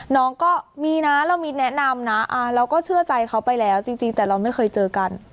น้องก็มีนะเรามีแนะนำนะเราก็เชื่อใจเขาไปแล้วจริงแต่เราไม่เคยเจอกัน